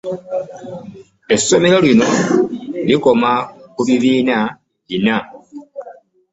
Essomero lino likoma ku bibiina bina.